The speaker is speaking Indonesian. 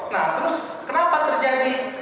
nah terus kenapa terjadi